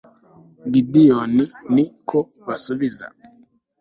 gideyoni ni ko kubasubiza